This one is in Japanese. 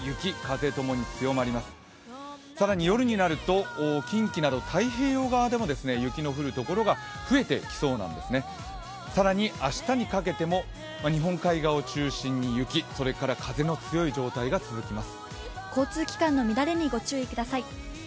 更に夜になると近畿など太平洋側でも雪のところが増えてきそうなんですね、更に明日にかけても、日本海側を中心に雪それから風の強い状態が続きます。